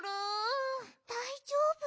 だいじょうぶ？